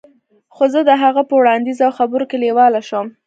خو زه د هغه په وړاندیز او خبرو کې لیواله شوم